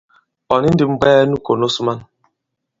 Ɔ̀ ni ndī m̀bwɛɛ nu kònos man.